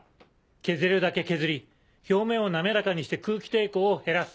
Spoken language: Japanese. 削れるだけ削り表面を滑らかにして空気抵抗を減らす。